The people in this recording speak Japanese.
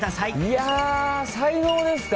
いやあ、才能ですか？